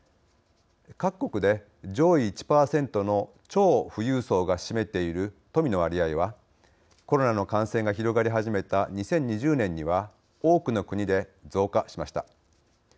各国で上位１％の超富裕層が占めている富の割合はコロナの感染が広がり始めた２０２０年には多くの国で増加しました。